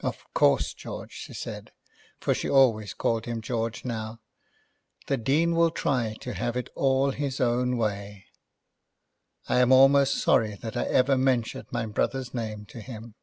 "Of course, George," she said, for she always called him George now, "The Dean will try to have it all his own way." "I am almost sorry that I ever mentioned my brother's name to him."